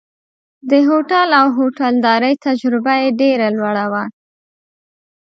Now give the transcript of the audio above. د هوټل او هوټلدارۍ تجربه یې ډېره لوړه وه.